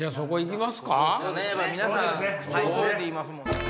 皆さん口をそろえて言いますもん。